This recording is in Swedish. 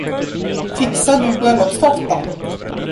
Fixar du bröllopstårtan?